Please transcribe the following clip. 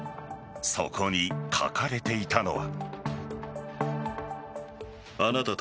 そこに書かれていたのは。